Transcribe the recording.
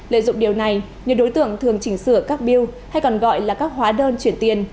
lợi dụng điều này nhiều đối tượng thường chỉnh sửa các biêu hay còn gọi là các hóa đơn chuyển tiền